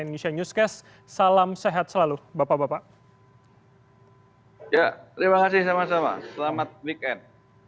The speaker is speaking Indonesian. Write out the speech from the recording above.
indonesia newscast salam sehat selalu bapak bapak ya terima kasih sama sama selamat weekend